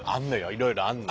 いろいろあんの。